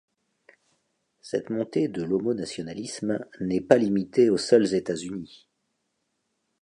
Cette montée de l'homonationalisme n'est pas limitée aux seuls États-Unis.